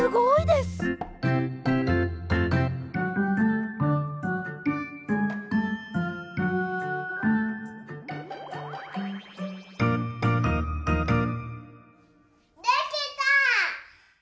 できた！